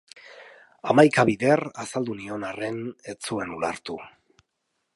Hamaika bider azaldu nion arren, ez zuen ulertu.